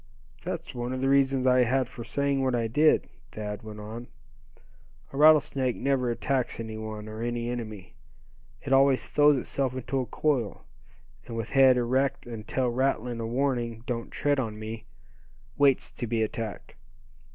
"That's one of the reasons I had for saying what I did," Thad went on, "a rattlesnake never attacks any one, or any enemy. It always throws itself into a coil, and with head erect, and tail rattling a warning 'don't tread on me,' waits to be attacked.